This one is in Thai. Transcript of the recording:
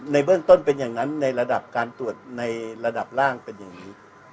ในเบื้องต้นเป็นอย่างนั้นในระดับการตรวจในระดับล่างเป็นอย่างนี้